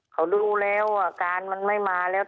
เขาดูแล้วอาการมันไม่มาแล้ว